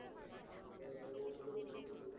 ও তোমাদের বাঁচানোর চেষ্টা করছিলো!